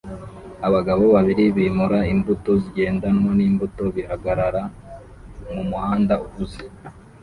Abagabo babiri bimura imbuto zigendanwa n'imbuto bihagarara mumuhanda uhuze